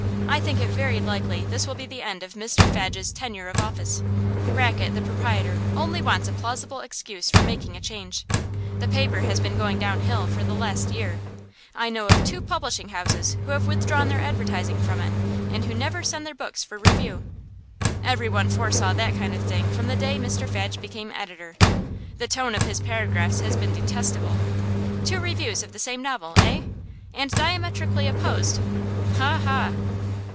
I think it very likely this will be the end of Mr Fadge's tenure of office. Rackett, the proprietor, only wants a plausible excuse for making a change. The paper has been going downhill for the last year; I know of two publishing houses who have withdrawn their advertising from it, and who never send their books for review. Everyone foresaw that kind of thing from the day Mr Fadge became editor. The tone of his paragraphs has been detestable. Two reviews of the same novel, eh? And diametrically opposed? Ha! Ha!